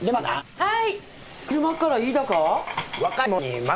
はい。